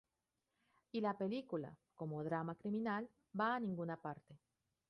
Y la película, como drama criminal, va a ninguna parte.